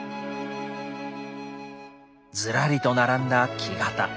ずらりと並んだ木型。